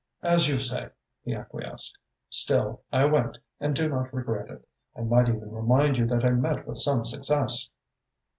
"As you say," he acquiesced. "Still, I went and I do not regret it. I might even remind you that I met with some success."